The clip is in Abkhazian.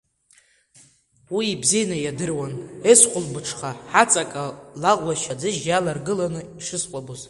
Уи ибзианы иадыруан, ес-хәылбыҽха, ҳаҵаҟа, лаӷәашь аӡыжь иаларгыланы ишыскәабоз.